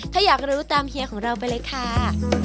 ถ้าอยากรู้ตามเฮียของเราไปเลยค่ะ